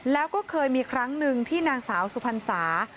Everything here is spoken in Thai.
แล้วก็เคยมีครั้งหนึ่งที่นางสาวสุพรรษา